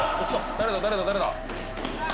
誰だ誰だ誰だ？